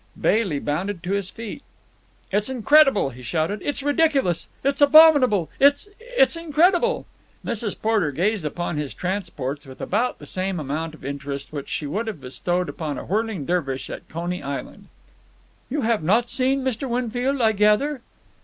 Bailey bounded to his feet. "It's incredible!" he shouted. "It's ridiculous! It's abominable! It's—it's incredible!" Mrs. Porter gazed upon his transports with about the same amount of interest which she would have bestowed upon a whirling dervish at Coney Island. "You have not seen Mr. Winfield, I gather?"